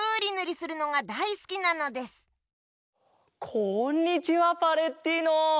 こんにちはパレッティーノ。